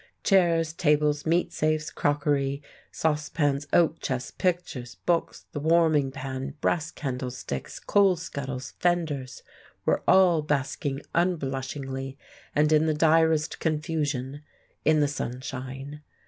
Chairs, tables, meat safes, crockery, saucepans, oak chests, pictures, books, the warming pan, brass candlesticks, coal scuttles, fenders, were all basking unblushingly, and in the direst confusion, in the sunshine.